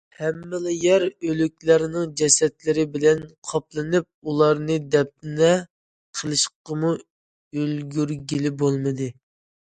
ھەممىلا يەر ئۆلۈكلەرنىڭ جەسەتلىرى بىلەن قاپلىنىپ، ئۇلارنى دەپنە قىلىشقىمۇ ئۈلگۈرگىلى بولمىدى.